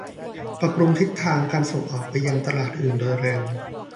ปรับปรุงทิศทางการส่งออกไปยังตลาดอื่นโดยเร็ว